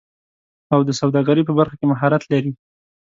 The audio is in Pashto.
او د سوداګرۍ په برخه کې مهارت لري